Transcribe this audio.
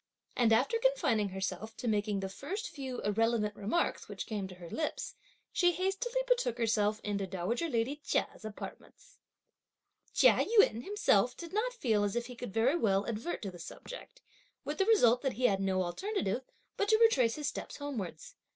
And after confining herself to making the first few irrelevant remarks which came to her lips, she hastily betook herself into dowager lady Chia's apartments. Chia Yün himself did not feel as if he could very well advert to the subject, with the result that he had no alternative but to retrace his steps homewards.